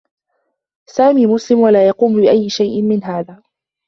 سامي مسلم و لا يقوم بأيّ شيء من هذا.